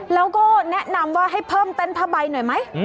แล้วก็แนะนำว่าให้เพิ่มเต็นต์ผ้าใบหน่อยไหม